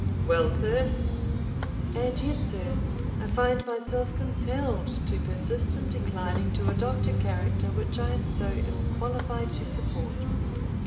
"Well, sir?" "And yet, sir, I find myself compelled to persist in declining to adopt a character which I am so ill qualified to support."